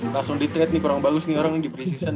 langsung ditreat nih kurang bagus nih orang yang di preseason